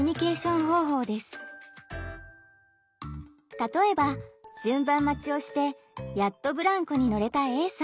例えば順番待ちをしてやっとブランコに乗れたＡさん。